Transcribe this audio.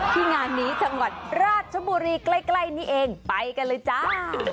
ที่งานนี้จังหวัดราชบุรีใกล้นี้เองไปกันเลยจ้า